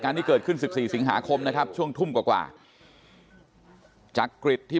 ที่เกิดขึ้น๑๔สิงหาคมนะครับช่วงทุ่มกว่าจักริตที่